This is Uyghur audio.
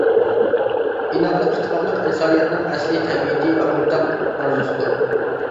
ئىناقلىق، ئىتتىپاقلىق ئىنسانىيەتنىڭ ئەسلى تەبىئىتى ۋە ئورتاق ئارزۇسىدۇر.